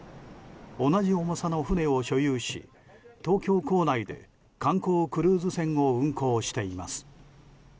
同じ重さの船を所有し東京港内で観光クルーズ船を運航しています。